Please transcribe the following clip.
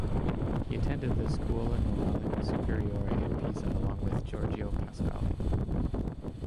He attended the Scuola Normale Superiore in Pisa along with Giorgio Pasquali.